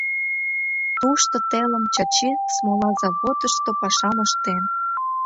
Тушто телым Чачи смола заводышто пашам ыштен.